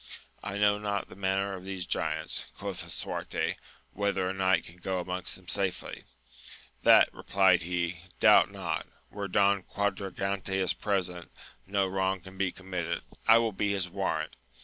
I know not the manner of these giants, quoth Lisuarte, whether a knight can go amongst them safely ? That, replied he^ doubt not ; where Don Quadragante is present, no wioiig can be committed : I will be his warrant.